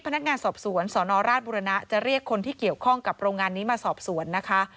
พนักงานสอบสวนสนราชบุรณะจะเรียกคนที่เกี่ยวข้องกับโรงงานนี้มาสอบสวนนะคะ